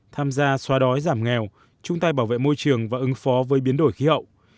tham gia xóa đói giảm nghèo chung tay bảo vệ môi trường và ứng phó với biến đổi khí hậu